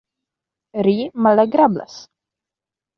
Ri malagrablas.